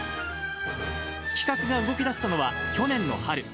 企画が動きだしたのは去年の春。